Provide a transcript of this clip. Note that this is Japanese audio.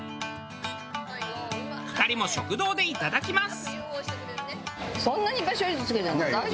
２人も食堂でいただきます。